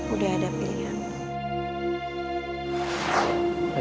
udah ada pilihan